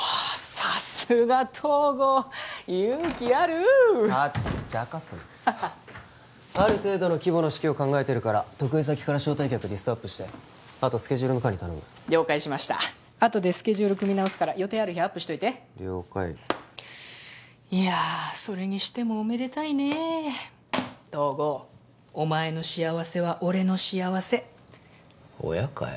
さすが東郷勇気あるハチちゃかすなハハある程度の規模の式を考えてるから得意先から招待客リストアップしてあとスケジュールの管理頼む了解しましたあとでスケジュール組み直すから予定ある日アップしといて了解いやあそれにしてもおめでたいねえ東郷お前の幸せは俺の幸せ親かよ